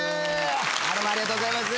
ありがとうございます。